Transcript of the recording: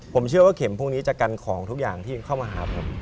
ผมเชื่อว่าเข็มพวกนี้จะกันของทุกอย่างที่เข้ามาหาผม